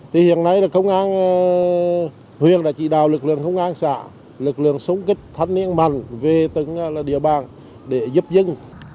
thì hiện nay là công an huyện đã chỉ đào lực lượng công an xã lực lượng sống kích thanh niên mạnh về tất cả địa bàn để giúp dân